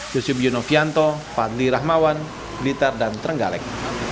yusuf yunofianto fadli rahmawan blitar dan terenggalek